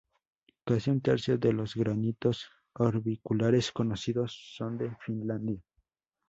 Casi un tercio de los granitos orbiculares conocidos son de Finlandia.